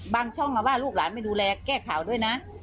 ช่องว่าลูกหลานไม่ดูแลแก้ข่าวด้วยนะ